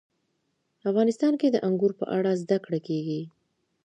افغانستان کې د انګور په اړه زده کړه کېږي.